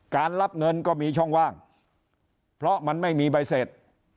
รับเงินก็มีช่องว่างเพราะมันไม่มีใบเสร็จ